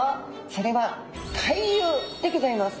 それは回遊でございます。